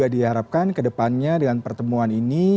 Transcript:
diharapkan kedepannya dengan pertemuan ini